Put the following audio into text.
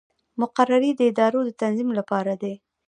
مقررې د ادارو د تنظیم لپاره دي